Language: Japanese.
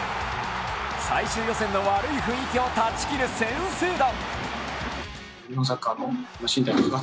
最終予選の悪い雰囲気を断ち切る先制打。